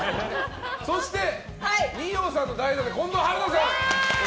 そして、二葉さんの代打で近藤春菜さん。